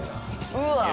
うわ！